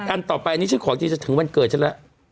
อันต่อไปอันนี้ฉันขอจริงจะถึงวันเกิดฉันแล้ว